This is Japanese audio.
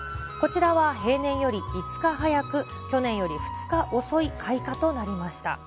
こちらは平年より５日早く、去年より２日遅い開花となりました。